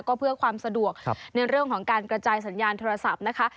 ก็เพื่อความสะดวกในเรื่องของการกระจายสัญญาณโทรศัพท์นะคะ